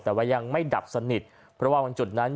แต่ว่ายังไม่ดับสนิทเพราะว่าบางจุดนั้น